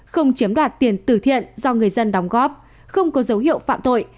không chiếm đoạt tiền tử thiện do người dân đóng góp không có dấu hiệu phạm tội